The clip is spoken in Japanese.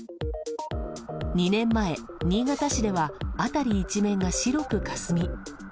２年前、新潟市では辺り一面が白くかすみ